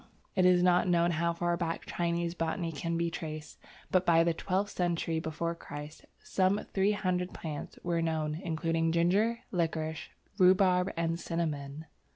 It is not known how far back Chinese botany can be traced, but, by the twelfth century before Christ, some three hundred plants were known, including ginger, liquorice, rhubarb, and cinnamon.